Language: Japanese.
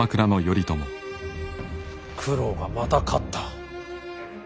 九郎がまた勝った。